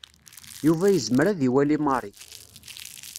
Yuba yezmer ad iwali Mary.